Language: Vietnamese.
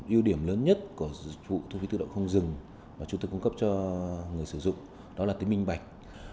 yêu điểm lớn nhất của dịch vụ thu phí tự động không dừng mà chúng tôi cung cấp cho người sử dụng đó là tính minh bạch